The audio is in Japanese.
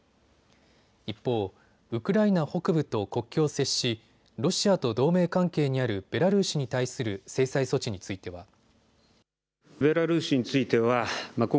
一方、ウクライナ北部と国境を接しロシアと同盟関係にあるベラルーシに対する制裁措置については。